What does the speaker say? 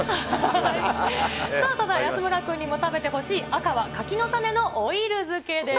さあ、ただ、安村君にも食べてほしい赤は柿の種のオイル漬けです。